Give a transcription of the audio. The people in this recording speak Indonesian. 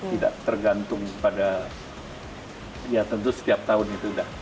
tidak tergantung pada ya tentu setiap tahun itu udah